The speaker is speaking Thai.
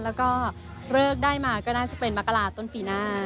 แล้วก็เลิกได้มาก็น่าจะเป็นมกราต้นปีหน้า